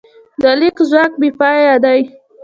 د لیک ځواک بېپایه دی.